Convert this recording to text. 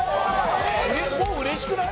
もう嬉しくない？